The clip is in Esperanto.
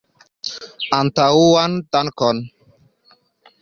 Antaŭan dankon!